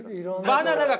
バナナが。